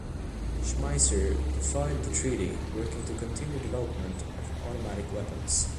Schmeisser defied the treaty, working to continue development of automatic weapons.